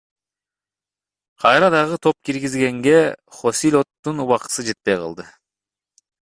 Кайра дагы топ киргизгенге Хосилоттун убактысы жетпей калды.